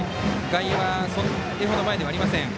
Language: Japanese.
外野はそれほど前ではありません。